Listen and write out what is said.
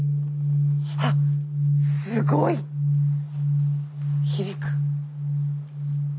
あっすごい響く。